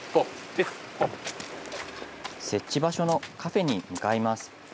設置場所のカフェに向かいます。